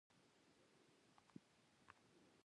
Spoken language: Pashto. په انګړ کې لږ وګرځېدم، کوچنی باغ او پخلنځی مې ولیدل.